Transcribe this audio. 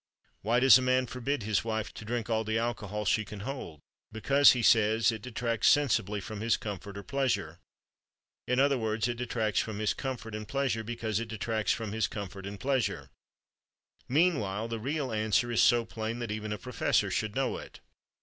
Why does a man forbid his wife to drink all the alcohol she can hold? Because, he says, it "detracts sensibly from his comfort or pleasure." In other words, it detracts from his comfort and pleasure because it detracts from his comfort and pleasure. Meanwhile, the real answer is so plain that even a professor should know it.